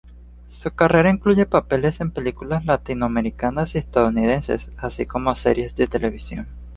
Su carrera incluye papeles en películas latinoamericanas y estadounidenses así como series de televisión.